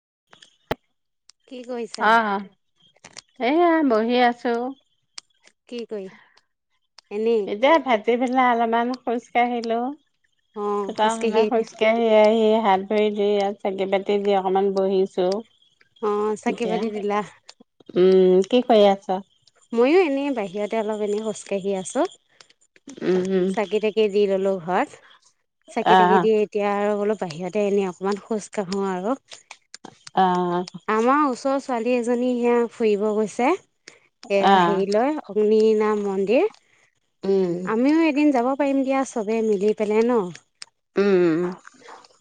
ত [unintelligible] কি কৰিছ এয়া বহি আছো কি কৰি এনেই এতিয়া ভাট ভ ে অলপমান খোজ কাঢ়িলো অ সত খোজকাঢ়ি মানে এতিয়া খোজকাঢ় সোই স হাত ভৰি দি ইয়াত চাকি পতি দি অকমান বহিছো অ চাকে এতিয়া বাৰ দিল উম কি কৰি আছ মইো এনেই বাহিৰতে অলপ এনেই খোজকাঢ়ি আছো উম উম চাকি তাকি দি ললো হাত চাকি আহ তাকি দিয় এতিয়া আৰু অলপ বাহিৰতে এনে অকমান খোজ কাঢ়ো আৰু অ আমাৰ ওচৰৰ ছোৱালী এজনী সেয়া ফুৰিব গৈছে এয়া আহ হেৰি লয় টিলিঙা মন্দিৰ উম আমিও এট যাব পাৰিম দিয়া চবে মিলি পেলাই ন উম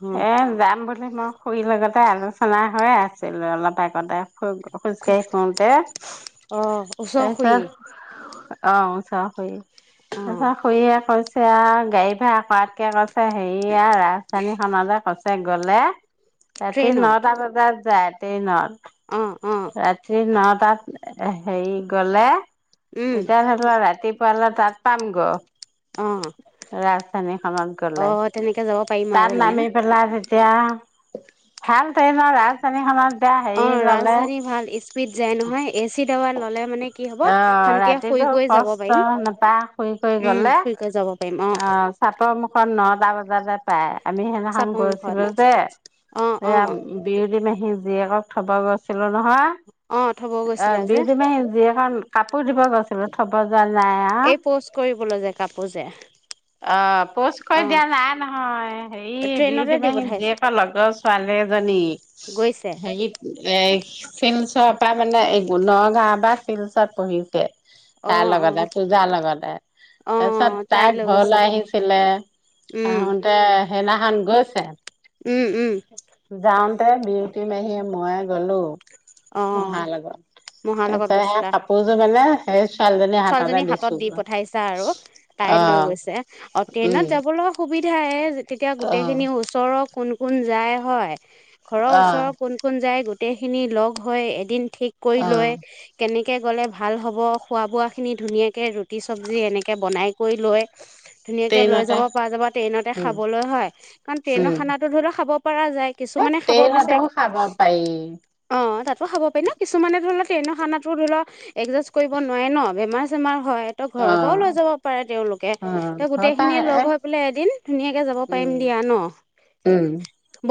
অ এ যাম বুলি মই খুৰীহতৰ লগতে আহিলোঁ ফলা হৈ আছিল অলপ আগতে খোচ খোজকাঢ়ি ফুৰোতে অ ওচৰ খুৰী তাৰপিছত অ চাহ খালোঁ অ নহয় খুৰীয়ে কৈছে এয়া গাড়ী ভাড়া কৰাত হে হেৰিয়া ৰাজধানী খনত কস গলৈ ৰাতি ট্ৰেইনত নটা বজাত যাই ট্ৰেইনত অ অ ৰাতি নট তাত হেৰি গলে উম তেতিয়া ধৰি লোৱা ৰাতিপুৱালৈ তাত পাম গ অ ৰাজধানী খনত অ তেনেকে যাব পাৰিম আৰু মানে পেলাই তেতিয়া ভাল ট্ৰনৰ ৰাজধানী খনত অ ৰাজধানী ভাল স্পীড যায় নহয় এ চিত দেৱা ল'লে মানে কি হব আহ শান্তিয়ে শুই ৰাতিতটো গৈ যাব পাৰিম কষ্ট নোপায় শুই শুই উম গলে শুই গৈ যাব পাৰিম অ চাপা মুখত এ নটা বজাতে পায় আমি সেইদিনাখন চাপৰ মুখত গৈছিলো যে অ এ অ বিউতি মাহি জীয়েকক থব গৈছে নহয় অ থব এ গৈছিলা যে বিউতি মাহী জীয়েক কাপোৰ দিব গৈছিলো থব যোৱা নাই আও এই পোষ্ট কৰিবলৈ যে কাপোৰ যে অ পোষ্ট কৰি অ দিয়া নাই নহয় হে ট্ৰেইনতে বিউটী দি মাহী পঠাইছে জীয়েকৰ লগ পালে এজনী গৈছে হেৰী এ শিলচৰ পৰা মানে এই নগাঁৱৰ বা শিলচত পঢ়িছে অ তাৰ অ লগতে পূজাৰ লগতে অ তাৰপিছত তাই লৈ গৈছে ঘৰলৈ আহিছিলে, উম আহোতে সেইনা ধান গৈছে উম উম যাওঁতে বিউটি মাহিয়ে মইয়ে গলো অ মহাৰ লগত। মহাৰ লগত তাৰছেত গৈছিলা কাপোৰযোৰ মানে হয় আছ [unintelligible] ছোৱালী জনী ছোৱালীজনী হাততে হাতত দিছো দি ক, পঠাইছা আৰু তাই লৈ অহ অ ট্ৰেইনত যাব লগা সুবিধা তেতিয়া অ', গোটেইখিনি ওচৰ কোন কোন যায় হয় ঘৰৰ অ', ওচৰৰ কোন কোন যায় গ- গোটেইখিনি লগ হৈ এদিন ঠিক কৰি লয়, অ', কেনেক কে গ'লে ভাল হ'ব খোৱা বোৱা খিনি ধুনীয়াকে ৰুট- ৰুতি চব্জি এনেকে বনাই কৰি লয় ধুনীয়াকে লৈ ট্ৰেইনতে যাব পৰা যাব ট্ৰেইনতে উম, খাবলৈ হয়। কাৰণ ট্ৰেইনৰ উম, খানাো ধৰি লও খাব পৰা যায় এ কিছুমানে খাব বিচাৰে, ট্ৰেইনতেও খাব পাৰি অ ত খাব পাৰি ন কিছুমানে ধৰি লও ট্ৰেইনৰ খানাতো ধৰি লও এডজাষ্ট কৰিব নোৱাৰে ন বেমাৰ চেমাৰ হয় তই ঘৰৰ পৰাও লৈ অ', যাব পাৰে তেওঁলোকে অ', তই ঘৰৰ গোটেই খিনিয়ে পৰা এ লগ হৈ পেলাই এদিন ধুনীয়াকে যাব উম, পাৰিম দিয়া ন! উম,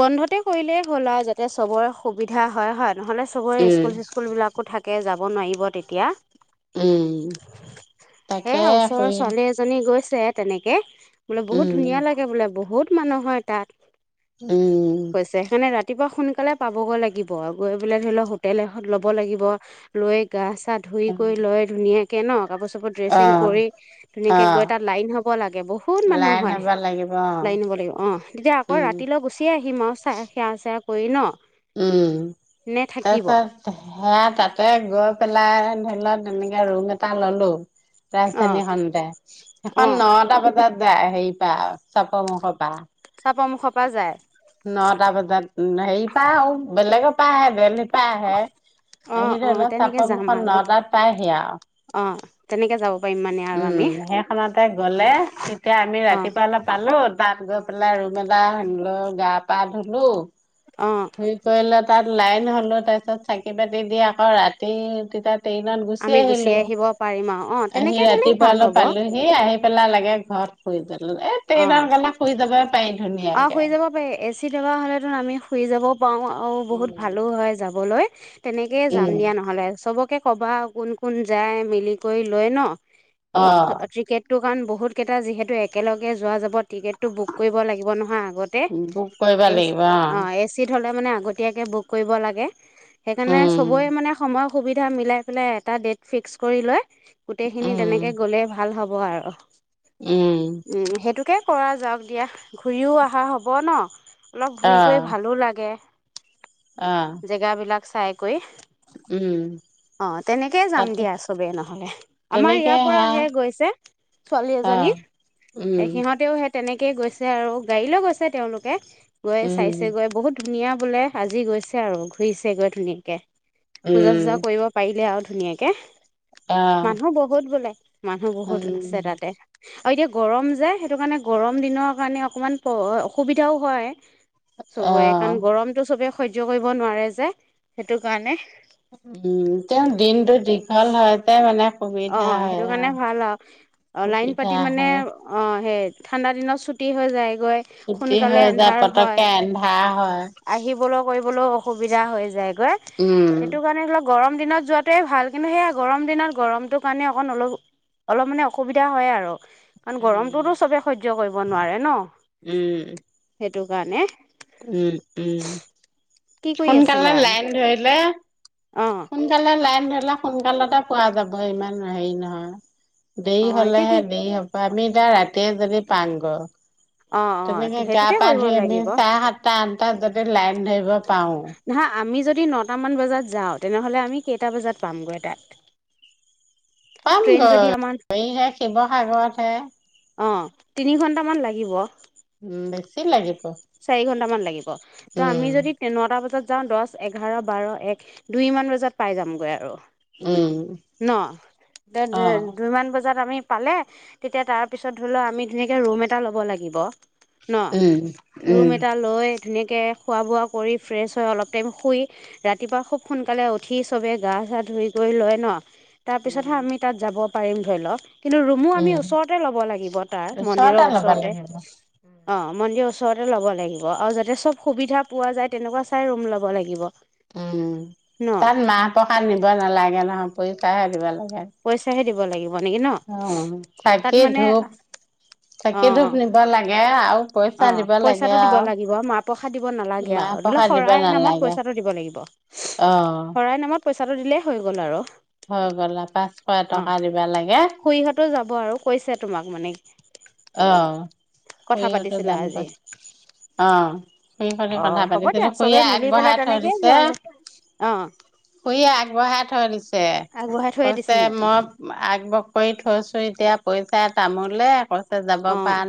বন্ধত ততে কৰিলেই হ'ল আও, যাতে চবৰে সুবিধা হয় হয় নহ'লে চবৰে উম, স্কুল স্কুল বিলাকো থাকে কে যাব নোৱাৰিব তেতিয়া উম তাকে সেয়া ওচৰৰ কৰিল ছোৱালী এজনী গৈছে তেনেকে বোলো বহুত ধুনীয়া লাগে বোলে বহুত মানুহ হয় তাত উম, হৈছে সেইকাৰণে ৰাতিপুৱা শুন। সোনকালে পাবগৈ লাগিব গৈ পেললে ধৰি লও হোটেল এত ল'ব লাগিব লৈ গাছ। তাত ধুই কৰি লয় ধুনীয়াক। কেন। কাপোৰ চাপোৰ ড্ৰেচিং অ', কৰি ধুনীয়াকে গৈ অ', তাত লাইন হ'ব লাগে। বহুত লাইন মানুহ হয় হ'ব লাগিব অ', লাইন হব লাগিব অ তেতিয়া আকৌ উম, ৰাতিলৈ গুচিয় আহিম আৰু চাই সেয়া চাই। শুইন উম তাৰ পিত সেয়া তাতে গৈ পেলাই। লত এনেকে ৰুম এটা ললো। অ ৰাজধানী খতে অ সেইখন নটা বজাত যায়। সেই পা চাপ ম ক। চাপৰমুখৰ পৰা যায় নটা বজাত সেইৰি। তা আ বেলেগ। তা বেলেগ ত। পাই আহে অ আহি অ ধৰি লওক তেনেকে যাম চাপৰখন আৰু নটাত পাইহি। আৰু অ তেনেকে যাব পাৰিম মানে আৰু উম আমি সেইখনতে গলে তেতিয়া আমি অ ৰাতিপুৱ অৈ পালো তাত গৈ পেলাই ৰুম এটা লৈ। গা পা ধুলো। অ থুই কলা। তাত লাইন হলো তাৰপিছত চাকি পাতি দি আকৌ ৰাতি তাত। ট্ৰেইনত গুচি আমি আহিলো আহিব পাৰিম আৰু অ আহি তেনেকে গ'লেই ৰাতিপুৱা ভাল অলপ হ'ব পালোহি আহি। পেলা লাগে ঘৰতুেল। এ অ ট্ৰেইনৰ গালে শুই যাব পাৰি অ ধুনীয়াকে। শুই যাব পাৰি এ চি থকা হ'লেতো আমি শুই যাব। পাওঁ আৰু বহুত ভালো হয় যাবলৈ। হয় [unintelligible] তেনেকে যাম উম দিয়া নহলে চবক। তাকে ক'বা আৰু কোন কোন যায় মিলি কৰি লয় ন। অ ক্ৰিকেটটো। কাৰণ বহুত কেইটা যিহেতু একেলগে। যোৱা যাব টিকেটটো বুক কৰিব লাগিব নহয়। আগতে বোক কৰিবা এ লাগিব অ। এ চিত হ'লে মানে আগতীয়াকৈ বুক কৰিব লাগে। সেইকাৰণে উম চবৰে মানে সময়। সুবিধা মিলাই পেলাই এটা ডেট ফিক্স কৰি লয়। গোটেই খিনি উম তেনেকে গ'লে ভাল হ'ব। হ'ব আৰু উম। উম, সেইটোকে কৰা যাওঁক দিয়া ঘূৰিও অহা হ'ব ন? অলপ অ ঘূৰি কয়ি ভালো লাগে। অ জেগা বিলাক চাই কয়ি উম অ', তেনেকেই যাম তাতে দিয়া চবেই নহ'লে আমাৰ তেনেকে ইয়াৰ পৰা সেয়া সেই গৈছে ছোৱালী অ এজনী এ, উম সিহঁতেও তেনেকেই গৈছে আৰু গাড়ী লৈ গৈছে তেওঁলোকে গৈ উম চাইছে গৈ বহুত ধুনীয়া বোলে আজি গৈছে আৰু ঘূৰিছে গৈ ধুনীয়াকে পূজা উম। চূজা কৰিব পাৰিলে আৰু ধুনীয়াকে অ মানুহ বহুত বোলে। মানুহ বহুত উম আছে তাতে। আৰু এতিয়া গৰম যে, সেইটো কাৰণে গৰম দিনৰ কাৰণে অকমান প, অসুবিধাও হয় অ চবয়ে কাৰণ গৰমটো চবে সহ্য কৰিব নোৱাৰে যে, সেইটো কাৰণে উম। তেওঁ দিনটো দীঘল হয় তে মানে সুবিধা অ' হয় সেইটো কাৰণে ভাল আৰু অ' লাইন সুবিধা পাতি মানে হয় অ' সেই ঠাণ্ডা দিনত ছুটি হৈ যায়। গৈ ছুটি সোনকালে হৈ যায় এন্ধাৰ হয়। পতককে এন্ধাৰ হয়। আহিবলৈ কৰিবলৈ অসুবিধা হৈ যায়। উম। সেইটো কাৰণে অলপ গৰম দিনত যোৱাটোৱে ভাল। কিন্তু সেয়া গৰম দিনত গৰম সেইটো কাৰণে অকন, অলপ মানে অসুবিধা হয় আৰু কাৰণ উম, গৰমটোতো চবেই সহ্য সহ্য কৰিব নোৱাৰে ন? উম। সেইটো কাৰণে উম, উম। কি কৰি সোনকালে আছিলা লাইন ধৰিলে অ সোনকালে লাইন ধৰিলে সোনকালতে পোৱা যাব, ইমান হেৰি নহয়। অ দেৰি এতিয়া হলেহে কি দেৰি হ'ব আমি কিবা ৰাতিয়ে যদি পাংগ অ অ তেনেকে গা সেইটোকে পা কৰিব ধুই আমি লাগিব চাহ সাতটা আনটা য লাইন নব না আমি যদি যদি নটামান বজাত যাওঁ তেনেহ'লে আমি কেইটা বজাত পামগৈ তাত ট্ৰেইন যদি আমাৰ পামগৈ এইহে শিৱসাগৰত হে অ তিনি ঘণ্টামান লাগিব উম চি লাগিব চাৰি ঘন্টামান লাগিব ত আমি উম, যদি নটা বজাত যাওঁ দহ এঘাৰ বাৰ এক দুইমান বজাত পাই যামগৈ আৰু উম, ন এতিয়া অ', দুইমান বজাত আমি পালে তেতিয়া তাৰপিছত ধৰি লও আমি ধুনীয়াকে ৰুম এটা ল'ব লাগিব ন উম ৰুম উম এটা লৈ ধুনীয়াকৈ খোৱা বোৱা কৰি ফ্ৰেছ হয় অলপ টাইম শুই ৰাতিপুৱা খুব সোনকালে উঠি চবেই গা চা ধুই কৰি লয় ন তাৰ উম, পিছতহে আমি তাত যাব পাৰিম ধৰি লওক কিন্তু ৰুমো আমি উম। ওচৰতে ল'ব লাগিব তাৰ মন্দিৰৰ ওচৰতে ল'ব ওচৰতে লাগিব। অ মন্দিৰ ওচৰতে ল'ব লাগিব আৰু যাতে চব সুবিধা পোৱা যায় তেনেকুৱা চাই ৰুম ল'ব লাগিব উম ন তাত মাহ প্ৰসাদ নিব নালাগে ন অ পৰীক্ষাহে দিবা লাগে পইচা হে দিব লাগিব নেকি ন অ তাত চাকি মানে ধূপ অ চাকি ধূপ অ নিব লাগে আৰু পইচা অ দিব লাগে পইচাটো দিব আৰু। লাগিব মাহ প্ৰসাদ দিব নালাগে মাহ আৰু ধৰি ললে প্ৰসাদ দিব শৰাইৰ নামত নালাগে। পইচাটো দিব লাগিব অ' শৰাইৰ নামত পইচাটো দিলেই হৈ গ'ল আৰু হৈ গলা পাঁচশ অ টকা দিবা লাগে খুৰীহঁতো যাব আৰু কৈছে তোমাক মানে আহ কথা স পাতিছিলা জাম আজি পাছত অ খুইী খ অ কথা হ'ব পাতিছিলু, দিয়া চবে খুুৰীয়ে মিলি পেলাই আগবঢ়াই থৈ তেনেকেই দিছে, যোৱা য অ খুুৰীয়ে আগবঢ়াই থৈ দিছে ছে, আগবঢ়াই থৈয়ে ক'ছে দিছে নেকি মই আগবহ কৰি থৈছো এতিয়া পইচা তামোলেে অঁ,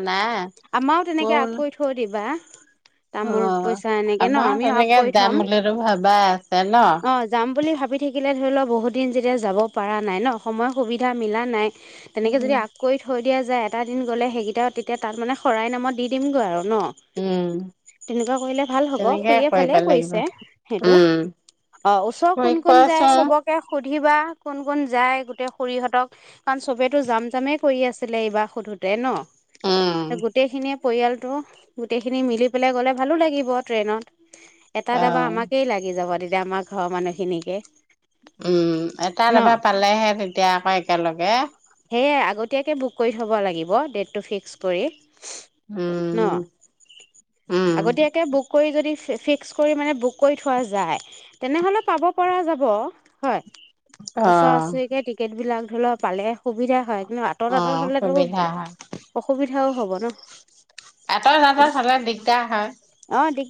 আমাৰও মই তেনেকে বোলো আকৈ থৈ দিবা। অ তামোল পইচা এনেকে ন, আমাৰ আমিও আাক তেনেকে কৰি যাম থম, বুলিতো ভাবা আছে ন অঁ যাম বুলি ভাবি ভাব থাকিলে ধৰি লও বহুত দিন যেতিয়া যাব পৰা নাই ন, সময় সুবিধা মিলা নাই তেনেকে যদি উম আগ কৰি থৈ দিয়া যায় এটা গ'লে সেইকেইটা তেতিয়া তাত মানে শৰাই নামত দি দিমগৈ আৰু। ন, উম তেনেকুৱা কৰিলে ভাল হ'ব, তেনেকে শুৰিয়ে কৰিব ভালেই লাগিব কৰিছে সেইটো, উম অঁ ওচৰ কৰি কোন কোন যায় কোৱাচোন চবকে খু উুধিবা কোন কোন যায় গোটেই খৰিহঁতক? কাৰণ চবেতো জাম জামেই কৰি আছিলে এইবাৰ সুধো ন? উম গোটেইখিনিয়ে পৰিয়ালটো, গোটেইখিনি মিলি পেলাই গলে ভালো লাগিব ট্ৰেইনত এটা অ দাবা আমাকেই লাগি যাব এতিয়া আমাৰ ঘৰৰ মানুহখিনিকে উম, এটা ন এভা পালে'হে, তেতিয়া আকৌ একেলগে সেয়ে আগতীয়াকে বুক কৰি থ'ব লাগিব হ'ব! ডে'টটো ফিক্স কৰি ন, উম উম আগতীয়াকে বুক কৰি যদি [unintelligible] বুক কৰি থোৱা যায়, তেনে হলে পাব পৰা যাব, হয় অ ওচৰ আছৰি কে টিকেট বিলাগ ধৰি লোৱা পালে, সুবিধা হয়। কিন্তু আঁতৰ অ আঁতৰ হ'লেতো সুবিধা হয় অসুবিধাও হব ন আঁতৰ যাবৰ হলেে দিগদাৰ হয়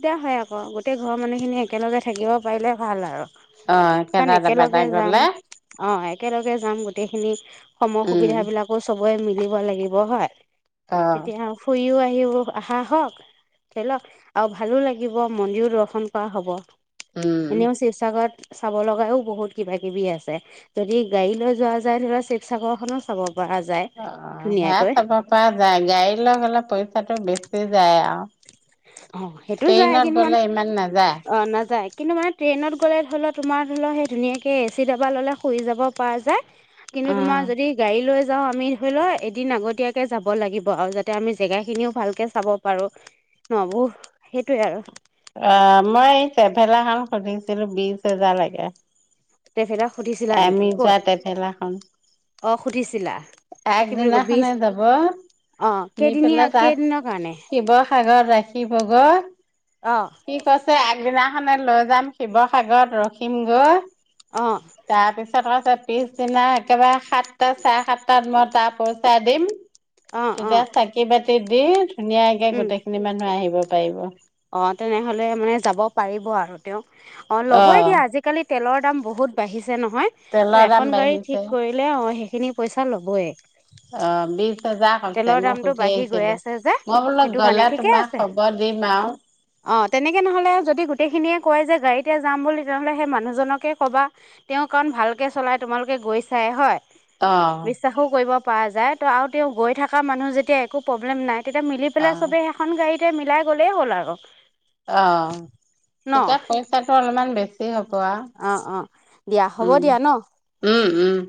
সতা হয় আকৌ, গোটেই ঘৰৰ মানুহখিনি একেলগে থাকিব পাৰিলে ভাল আৰু। অঁ কাৰণ একেটা এাবা তটা একেলগে যাম গলে অ একেলগে যাম গোটেইখিনি সমৰ সুবিধা উম বিলাকো চব মিলিব লাগিব ব হয় [inaudible] অ', তেতিয়া শুইও আ সবোৰ আহা হওক, ধৰি লওক আৰু ভালো লাগিব মন্দিৰো দৰ্শন কৰা হব। উম, এনেও ছিবছাগৰত চাব লগাও বহুত কিবা কিবি আছে। যদি গাড়ী লৈ যোৱা যায়, ধৰি লোৱা শিৱসাগৰ খনো চাব ৰা যায় অ', ধুনীয়া সেয়া চাব পৰা যায় গাড়ী লৈ গ'লে পইচাটো বেছি যায় আও অ', সেইটো যায় কিন্তু মানে, নাযায়, অ', নাযায়। কিন্তু মানে ট্ৰেইনত গ'লে ধৰি লওঁ তোমাৰ ধৰি ল সেই ধুনীয়াকে এ চি ডাবা ল'লে শুই যাব পৰা যায় কিন্তু উম। তোমাৰ যদি গাড়ী লৈ যাওঁ আমি ধৰি লোৱা এদিন আগতীয়াকে যাব লাগিব আৰু যাতে আমি জেগা খিনিও ভালকে চাব পাৰো। নবো সেইটোৱে আৰু অ', মই এই ট্ৰেভেলাখন সুধিছিলো বিচ হেজাৰ লাগে। ট্ৰেভেলাক সুধিছিলা নেকি আমি ক'ত যোৱা ট্ৰেভেলাখন অ সুধিছিলা কি বুলি কয় বিশ আগদিনাখনে যাব অ নি কেইদিনীয়া পেলাই তাত কেইদিনৰ কাৰণে শিৱসাগৰ ৰাখিবগৈ অ সি কৈছে আগদিনা খনে লৈ যাম শিৱসাগৰত ৰখিম গৈ অ তাৰপিছত কৈ পিছদিনা একেবাৰে সাতটা, চাৰে সাতটাত মই তা পচাই দিম অ অ তেতিয়া চাকি বাত [unintelligible] ধুনীয়াকে উম গোটেইখিনি মানুহ আহিব পাইব অ', তেনেহ'লে মানে যাব পাৰিব আৰু তেওঁ অ', ল'বই অ', দিয়া আজিকালি তেলৰ দাম বহুত বাহি নহয়, তেলৰ ত' দাম এখন গাড়ী বাঢ়িছে। ঠিক কৰিলে অ', সেইখিনি পইচা ল বই জা কৰিছে মই দামটো সুধি বাঢ়ি গৈ আহিছিলোঁ, আছে যে মই বোলো সেইটো কাৰণে গ'লে ঠিকে তোমাক আছে খবৰ দিম আও অ', তেনেকে নহ'লে যদি গোটেইখিনিয়ে কয় যে, গাড়ীতে যাম বুলি তেনেহ'লে সেই মানুহজনকে ক'বা তেওঁ কাৰণ ভালকৈ চলাই তোমালোকে গৈ চাই হয়। অ', বিশ্বাসো কৰিব পোৱা যায় ত' আৰু তেওঁ গৈ থকা মানুহ যেতিয়া একো প্ৰব্লেম নাই তেতিয়া মিলি পেলাই অ', চবে সেখন গাড়ীত তে মিলাই গ'লেই হ'ল আৰু অ', তেতিয়া পইচাটো অলপমান বেছ [unintelligible] অ', অ', দিয়া হ'ব দিয়া ন? উম, উম